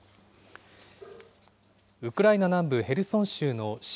ウクライナ南部ヘルソン州の親